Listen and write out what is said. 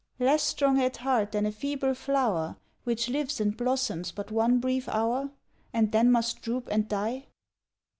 Less strong at heart than a feeble flower Which lives and blossoms but one brief hour, And then must droop and die